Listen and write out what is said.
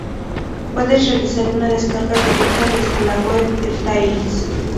puedes realizar una descarga directa desde la web de Tails